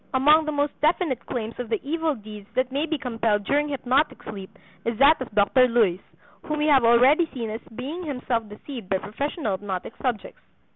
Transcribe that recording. Among the most definite claims of the evil deeds that may be compelled during hypnotic sleep is that of Dr. Luys, whom we have already seen as being himself deceived by professional hypnotic subjects.